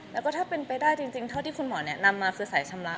แล้วก็ถ้าเป็นไปได้จริงเท่าที่คุณหมอแนะนำมาคือสายชำระ